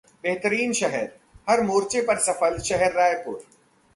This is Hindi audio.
बेहतरीन शहर: हर मोर्चे पर सफल शहर रायपुर